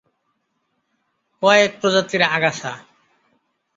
কয়েক প্রজাতির আগাছা